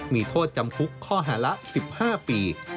มีโทษจำคุกข้อหาละ๑๕ปี